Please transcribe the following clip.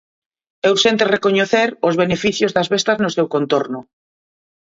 É urxente recoñecer os beneficios das bestas no seu contorno.